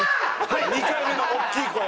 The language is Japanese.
はい２回目の大きい声。